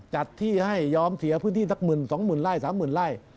จัดที่ให้ยอมเสียพื้นที่สักหมื่นสองหมื่นไล่สามหมื่นไล่